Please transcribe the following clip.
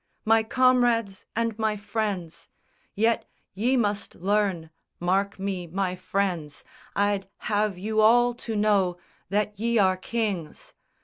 My comrades and my friends! Yet ye must learn, Mark me, my friends, I'd have you all to know That ye are kings.